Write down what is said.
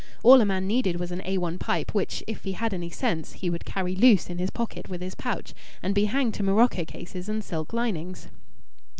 All a man needed was an A1 pipe, which, if he had any sense, he would carry loose in his pocket with his pouch and be hanged to morocco cases and silk linings!